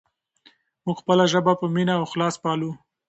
موږ خپله ژبه په مینه او اخلاص پالو.